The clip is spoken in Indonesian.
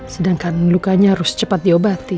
sedangkan lukanya harus cepat diobati